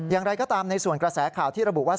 อย่างไรก็ตามในส่วนกระแสข่าวที่ระบุว่า